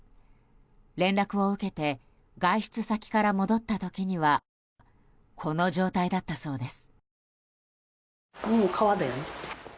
連絡を受けて外出先から戻った時にはこの状態だったそうです。